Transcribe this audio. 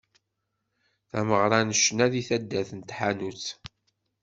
Tameɣra n ccna deg taddart n Taḥanut.